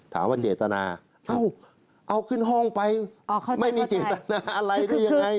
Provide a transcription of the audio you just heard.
ถามว่าเจตนาเอาขึ้นห้องไปไม่มีเจตนาอะไรได้ยังไง